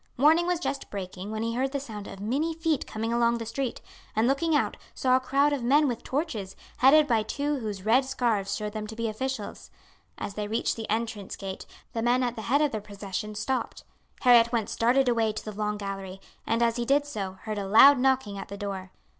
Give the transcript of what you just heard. Morning was just breaking when he heard the sound of many feet coming along the street, and looking out saw a crowd of men with torches, headed by two whose red scarfs showed them to be officials. As they reached the entrance gate the men at the head of the procession stopped. Harry at once darted away to the long gallery, and as he did so, heard a loud knocking at the door.